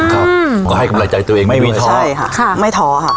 ครับก็ให้กำลังใจตัวเองไม่มีท้อใช่ค่ะไม่ท้อค่ะ